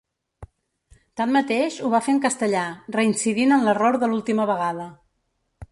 Tanmateix, ho va fer en castellà, reincidint en l’error de l’última vegada.